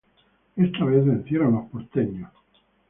Esta vez vencieron los porteños.